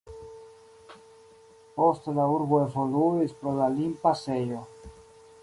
Poste la urbo evoluis pro la limpasejo.